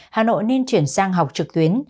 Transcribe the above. hà nội nên chuyển sang học trực tuyến